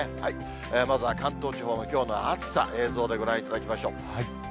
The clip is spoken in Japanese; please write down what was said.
まずは関東地方のきょうの暑さ、映像でご覧いただきましょう。